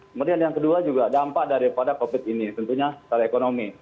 kemudian yang kedua juga dampak daripada covid ini tentunya secara ekonomi